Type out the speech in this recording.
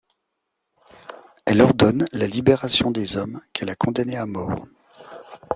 Elle ordonne la libération des hommes qu'elle a condamnés à mort.